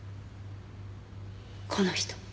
この人。